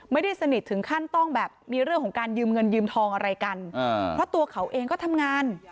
ไม่ได้สนิทถึงขั้นต้องแบบมีเรื่องของการยืมเงินยืมทองอะไรกันเพราะตัวเขาเองก็ทำงาน